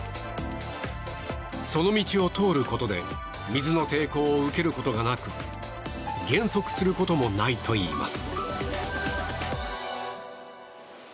その道を通ることで水の抵抗を受けることがなく減速することもないといいます。